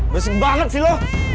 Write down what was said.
besik banget sih lo